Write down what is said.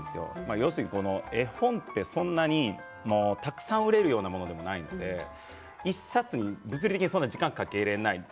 要するに、絵本ってたくさん売れるようなものでもないので１冊に物理的にそんなに時間をかけられない。